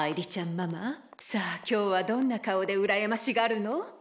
ママさあ今日はどんな顔でうらやましがるの？